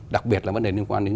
đặc biệt là vấn đề liên quan đến